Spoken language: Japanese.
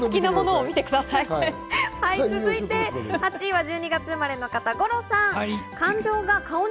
８位は１２月生まれの方、五郎さん。